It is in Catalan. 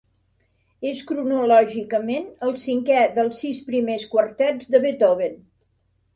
És cronològicament el cinquè dels sis primers quartets de Beethoven.